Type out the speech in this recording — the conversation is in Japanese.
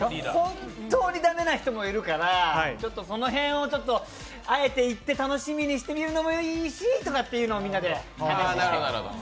本当に駄目な人もいるからこの辺のをあえていって楽しみしてみるのもいいしとみんなで話し合って。